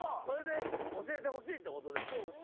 それで教えてほしいってことですか？